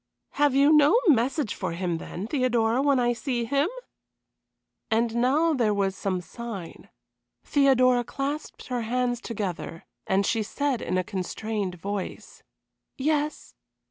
"Have you no message for him then, Theodora, when I see him?" And now there was some sign. Theodora clasped her hands together, and she said in a constrained voice: "Yes.